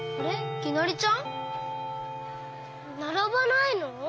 きなりちゃん？ならばないの？